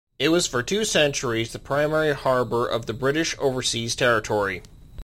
It was for two centuries the primary harbour of the British Overseas Territory.